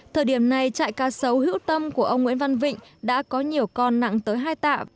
thời điểm này trại cá sấu hữu tâm của ông nguyễn văn vịnh đã có nhiều con nặng tới hai tạ